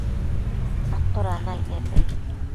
atoda naic nepec